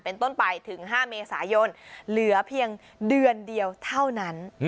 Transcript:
เป็นต้นไปถึง๕เมษายนเหลือเพียงเดือนเดียวเท่านั้น